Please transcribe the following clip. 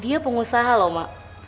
dia pengusaha lho mak